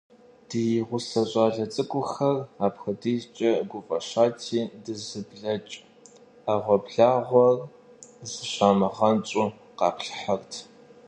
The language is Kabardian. Ди гъусэ щIалэ цIыкIухэр апхуэдизкIэ гуфIэщати, дызыблэкI Iэгъуэблагъэр, зыщамыгъэнщIу, къаплъыхьырт.